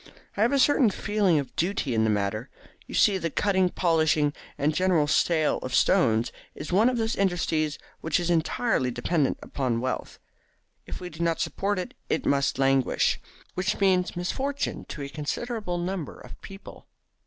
"I have a certain feeling of duty in the matter. You see the cutting, polishing, and general sale of stones is one of those industries which is entirely dependent upon wealth. If we do not support it, it must languish, which means misfortune to a considerable number of people.